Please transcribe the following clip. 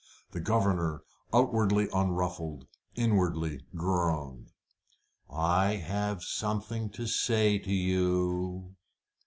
The governor, outwardly unruffled, inwardly groaned. "I have something to say to you."